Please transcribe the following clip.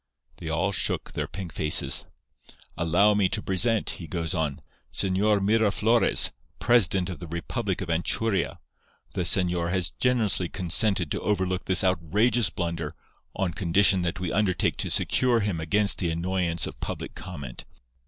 "They all shook their pink faces. "'Allow me to present,' he goes on, Señor Miraflores, president of the republic of Anchuria. The señor has generously consented to overlook this outrageous blunder, on condition that we undertake to secure him against the annoyance of public comment.